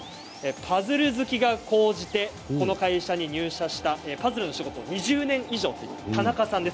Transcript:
パズル好きが講じてこの会社に入社したパズルの仕事２０年以上という田中さんです。